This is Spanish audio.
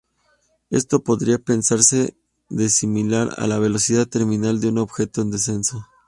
Esto podría pensarse de similar a la velocidad terminal de un objeto en descenso.